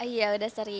iya udah sering